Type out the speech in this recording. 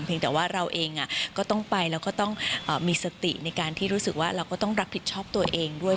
แต่ว่าเราเองก็ต้องไปแล้วก็ต้องมีสติในการที่รู้สึกว่าเราก็ต้องรับผิดชอบตัวเองด้วย